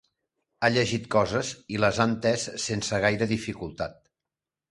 Ha llegit coses i les ha entès sense gaire dificultat.